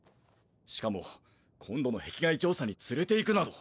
しかも今度の壁外調査に連れていくなど。